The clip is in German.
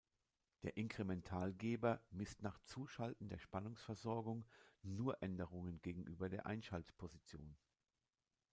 Der Inkrementalgeber misst nach Zuschalten der Spannungsversorgung nur Änderungen gegenüber der Einschalt-Position.